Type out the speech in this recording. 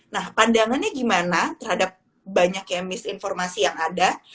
nah pandangannya gimana terhadap banyak ya misinformasi yang ada